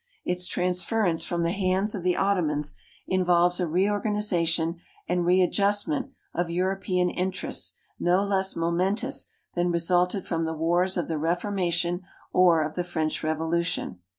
Its transfei'ence from the hands of the Ottomans involves a reorganization and readjustment of European interests no less momentous than resulted from the wars of the Reformation or of the French Revolution.